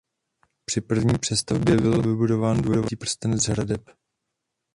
Při první přestavbě byl vybudován dvojitý prstenec hradeb.